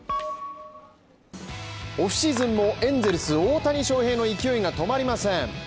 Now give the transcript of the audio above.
オフシーズンもエンゼルス・大谷翔平の勢いが止まりません。